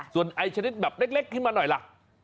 ส่วนไอ้ชนิดแบบเล็กขึ้นมาหน่อยล่ะ